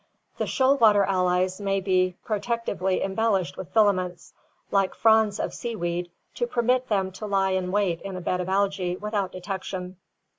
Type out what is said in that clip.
The shoal water allies may be protec tively embellished with filaments, like fronds of sea weed, to permit them to lie in wait in a bed of algae without detection.